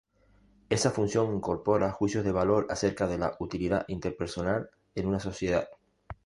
Esa función incorpora juicios de valor acerca de la utilidad interpersonal en una sociedad.